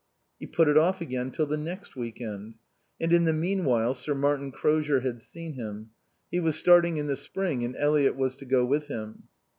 He put it off again till the next week end. And in the meanwhile Sir Martin Crozier had seen him. He was starting in the spring and Eliot was to go with him.